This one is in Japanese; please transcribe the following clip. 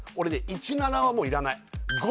１７はもう要らない５！